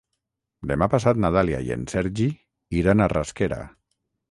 Demà passat na Dàlia i en Sergi iran a Rasquera.